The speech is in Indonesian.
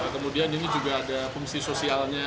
kemudian ini juga ada fungsi sosialnya